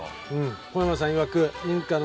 小山さんいわく。